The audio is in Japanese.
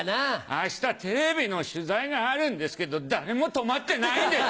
あしたテレビの取材があるんですけど誰も泊まってないんです。